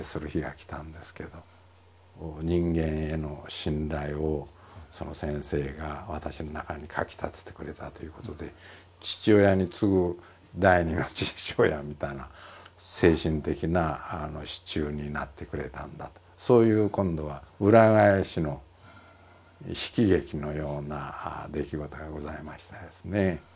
人間への信頼をその先生が私の中にかき立ててくれたということで父親に次ぐ第２の父親みたいな精神的な支柱になってくれたんだとそういう今度は裏返しの悲喜劇のような出来事がございましたですね。